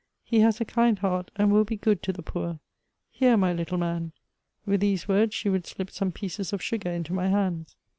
He has a kind heart, and will be good to the poor. Here, my little man." With these words, she would slip some pieces of sugar into my hands.